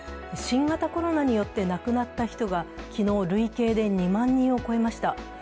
新型コロナによって亡くなった人が昨日、累計で２万人を超えました。